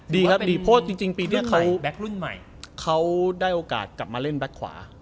ดีครับดีเพราะจริงปีนี้เขาได้โอกาสกลับมาเล่นแบทขวา